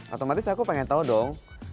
otomatis aku pengen tahu dong